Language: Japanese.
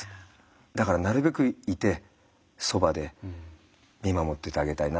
だからなるべくいてそばで見守っててあげたいな。